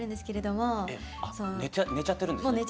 寝ちゃってるんですね？